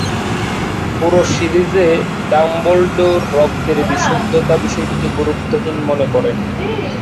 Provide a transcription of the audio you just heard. পুরো সিরিজে, ডাম্বলডোর "রক্তের বিশুদ্ধতা" বিষয়টিকে গুরুত্বহীন মনে করেন।